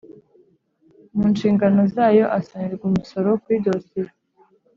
mu nshingano zayo asonerwa umusoro kuri dosiye